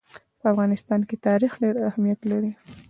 په افغانستان کې تاریخ ډېر اهمیت لري.